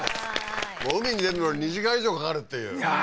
海に出るのに２時間以上かかるっていういやー